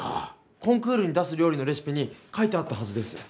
コンクールに出す料理のレシピに書いてあったはずです。